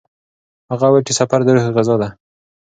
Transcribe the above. هغه وویل چې سفر د روح غذا ده.